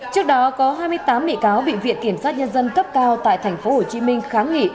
trước đó có hai mươi tám bị cáo bị viện kiểm sát nhân dân cấp cao tại tp hcm kháng nghị